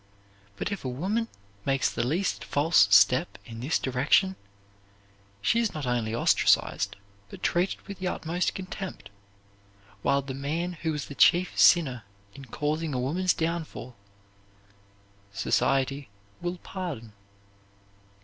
But, if a woman makes the least false step in this direction, she is not only ostracized but treated with the utmost contempt, while the man who was the chief sinner in causing a woman's downfall, society will pardon.